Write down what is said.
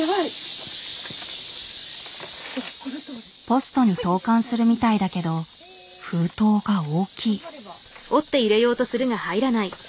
ポストに投かんするみたいだけど封筒が大きい。